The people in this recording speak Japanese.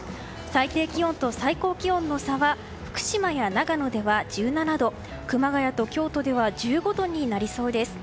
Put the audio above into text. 最低気温と最高気温の差は福島や長野では１７度熊谷と京都では１５度となりそうです。